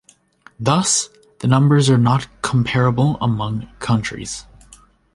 Thus, the numbers are not comparable among countries.